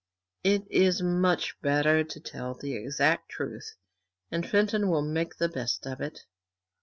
It is much better to tell the exact truth, and Fenton will make the best of it.